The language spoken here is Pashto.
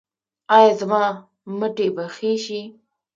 ایا زما مټې به ښې شي؟